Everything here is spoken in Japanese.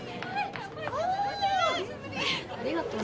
ありがとね。